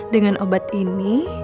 dengan obat ini